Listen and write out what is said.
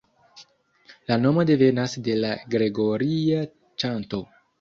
La nomo devenas de la Gregoria ĉanto.